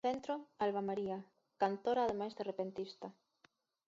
No centro, Alba María, cantora ademais de repentista.